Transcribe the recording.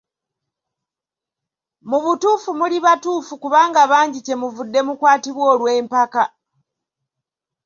Mu butuufu muli batuufu kubanga bangi kye muvudde mukwatibwa olw'empaka.